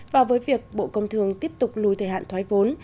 và với việc bộ công thương tiếp tục lùi thời hạn thoái vốn